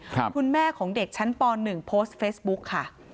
ครับคุณแม่ของเด็กชั้นปหนึ่งโพสต์เฟซบุ๊กค่ะ